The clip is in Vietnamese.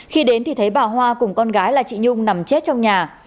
khi đến thì thấy bà hoa cùng con gái là chị nhung nằm chết trong nhà